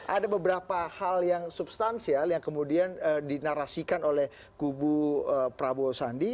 ada beberapa hal yang substansial yang kemudian dinarasikan oleh kubu prabowo sandi